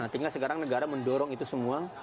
tinggal sekarang negara mendorong itu semua